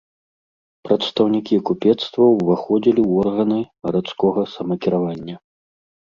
Прадстаўнікі купецтва ўваходзілі ў органы гарадскога самакіравання.